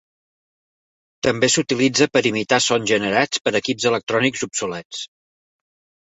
També s'utilitza per imitar sons generats per equips electrònics obsolets.